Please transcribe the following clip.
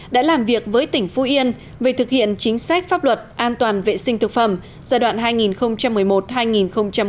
đã làm việc với tỉnh phú yên về thực hiện chính sách pháp luật an toàn vệ sinh thực phẩm